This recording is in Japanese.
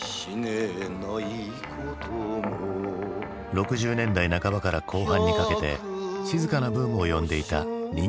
６０年代半ばから後半にかけて静かなブームを呼んでいた任侠映画。